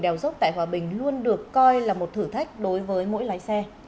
đèo dốc tại hòa bình luôn được coi là một thử thách đối với mỗi lái xe